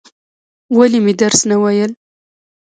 ولې مې درس نه وایل؟